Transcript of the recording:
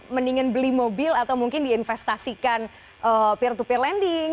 mendingan beli mobil atau mungkin diinvestasikan peer to peer lending